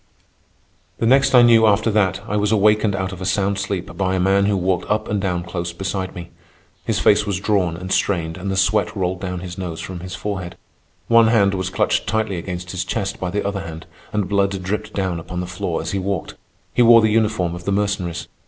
The next I knew after that I was awakened out of a sound sleep by a man who walked up and down close beside me. His face was drawn and strained, and the sweat rolled down his nose from his forehead. One hand was clutched tightly against his chest by the other hand, and blood dripped down upon the floor as he walked. He wore the uniform of the Mercenaries.